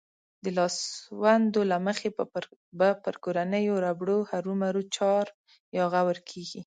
د لاسوندو له مخې به پر کورنيو ربړو هرومرو چار يا غور کېږي.